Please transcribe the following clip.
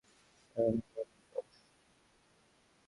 Sir, আমার বোন নির্দোষ।